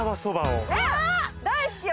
大好き！